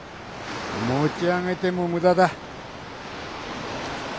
持ち上げても無駄だ。